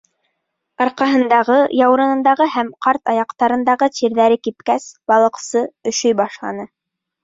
Арҡаһындағы, яурынындағы һәм ҡарт аяҡтарындағы тирҙәре кипкәс, балыҡсы өшөй башланы.